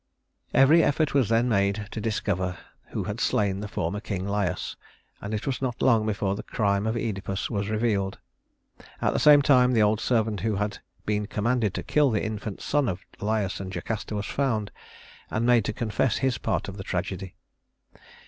" Every effort was then made to discover who had slain the former king Laius, and it was not long before the crime of Œdipus was revealed. At the same time the old servant who had been commanded to kill the infant son of Laius and Jocasta was found, and made to confess his part in the tragedy.